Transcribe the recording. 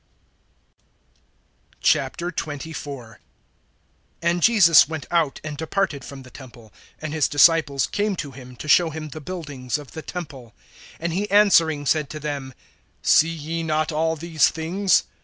XXIV. AND Jesus went out, and departed from the temple; and his disciples came to him, to show him the buildings of the temple. (2)And he answering said to them: See ye not all these things?